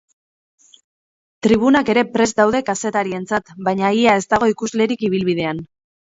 Tribunak ere prest daude kazetarientzat, baina ia ez dago ikuslerik ibilbidean.